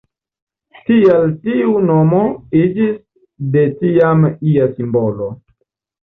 Tial tiu nomo iĝis de tiam ia simbolo.